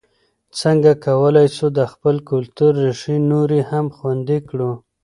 څنګه کولای سو د خپل کلتور ریښې نورې هم خوندي کړو؟